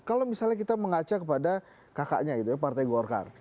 kalau misalnya kita mengaca kepada kakaknya gitu ya partai golkar